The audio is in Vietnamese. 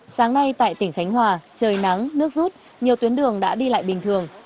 sáng nay tại tỉnh khánh hòa trời nắng nước rút nhiều tuyến đường đã đi lại bình thường